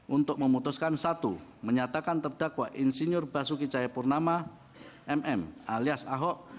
untuk memutuskan satu menyatakan terdakwa insinyur basuki cahayapurnama mm alias ahok